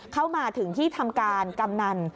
เข้ามาถึงที่ทำการกำนัน